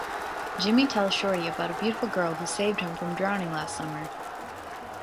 Jimmy tells Shorty about a beautiful girl who saved him from drowning last summer.